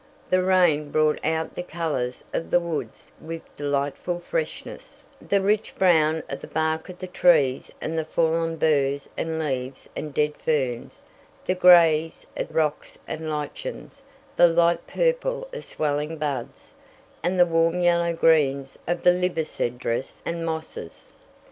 The rain brought out the colors of the woods with delightful freshness, the rich brown of the bark of the trees and the fallen burs and leaves and dead ferns; the grays of rocks and lichens; the light purple of swelling buds, and the warm yellow greens of the libocedrus and mosses.